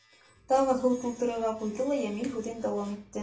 Тағы һыу тултырырға ҡуйҙы ла Йәмил һүҙен дауам итте.